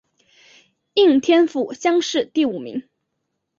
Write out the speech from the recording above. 应天府乡试第五名。